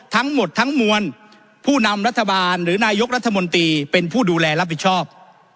ทั้งหมดทั้งมวลผู้นำรัฐบาลหรือนายกรัฐมนตรีเป็นผู้ดูแลรับผิดชอบ